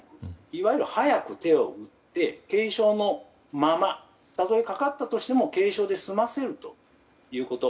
いわゆる早く手を打って軽症のままたとえかかったとしても軽症で済ませるということ。